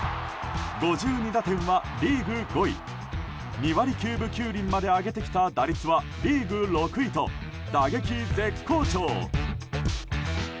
５２打点はリーグ５位２割９分９厘まで上げてきた打率はリーグ６位と打撃、絶好調。